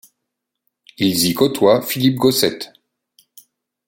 Ils y côtoient Philipp Gosset.